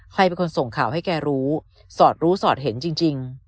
ใครเป็นคนส่งข่าวให้แกรู้สอดรู้สอดเห็นจริง